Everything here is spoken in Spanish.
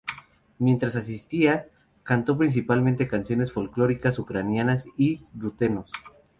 Mientras asistía, cantó principalmente canciones folclóricas ucranianas y rutenos.